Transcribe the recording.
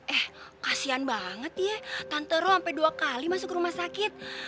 eh kasian banget ya tante ro sampe dua kali masuk ke rumah sakit